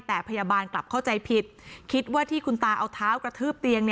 แต่พยาบาลกลับเข้าใจผิดคิดว่าที่คุณตาเอาเท้ากระทืบเตียง